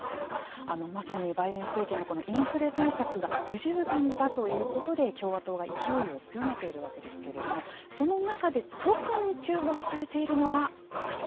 まさにバイデン政権のインフレ対策が不十分だということで共和党は勢いを強めているわけですけれどもその中で特に注目されているのがこの人。